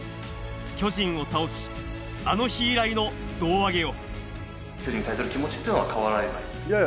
巨人を倒し、あの日以来の胴上げを。